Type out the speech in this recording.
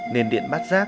nền điện bát giác